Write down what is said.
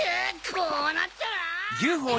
こうなったら！